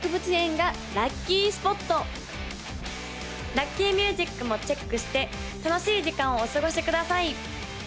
・ラッキーミュージックもチェックして楽しい時間をお過ごしください